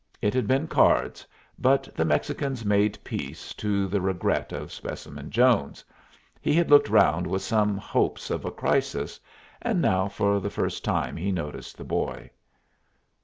It had been cards, but the Mexicans made peace, to the regret of Specimen Jones. He had looked round with some hopes of a crisis, and now for the first time he noticed the boy.